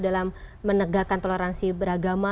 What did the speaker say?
dalam menegakkan toleransi beragama